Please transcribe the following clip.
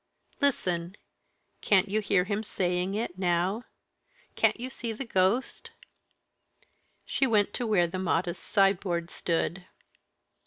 Listen! Can't you hear him saying it now? Can't you see the ghost?" She went to where the modest sideboard stood.